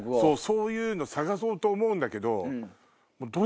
そういうの探そうと思うんだけど。